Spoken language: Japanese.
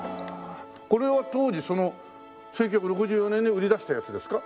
これは当時１９６４年に売り出したやつですか？